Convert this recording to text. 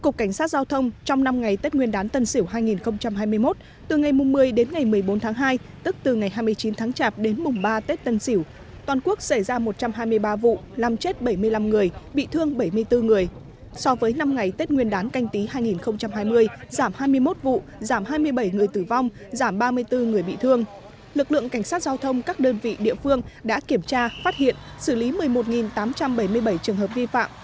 cục cảnh sát giao thông bộ công an cho biết trong ngày một mươi bốn tháng hai tức ngày mùng ba tết tân sỉu trên địa bàn cả nước xảy ra hai mươi tám vụ tai nạn giao thông làm chết một mươi năm người bị thương hai mươi bốn người so với dịp tết nguyên đán canh tí hai nghìn hai mươi giảm năm vụ tai nạn giao thông làm chết một mươi năm người so với dịp tết nguyên đán canh tí hai nghìn hai mươi giảm năm vụ tai nạn giao thông làm chết một mươi năm người so với dịp tết nguyên đán canh tí hai nghìn hai mươi giảm năm vụ tai nạn giao thông